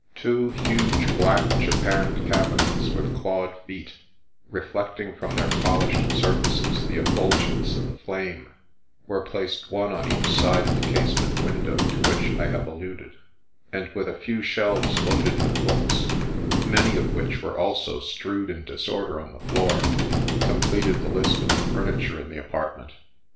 Two huge, black, japanned cabinets, with clawed feet, reflecting from their polished surfaces the effulgence of the flame, were placed one on each side the casement window to which I have alluded, and with a few shelves loaded with books, many of which were also strewed in disorder on the floor, completed the list of the furniture in the apartment.